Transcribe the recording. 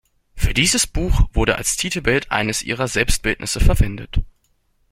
Für dieses Buch wurde als Titelbild eines ihrer Selbstbildnisse verwendet.